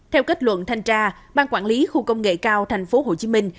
theo kết luận thanh tra ban quản lý khu công nghệ cao thành phố hồ chí minh